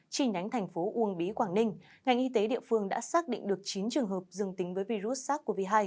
chi nhánh thành phố uông bí quảng ninh ngành y tế địa phương đã xác định được chín trường hợp dừng tính với virus sars cov hai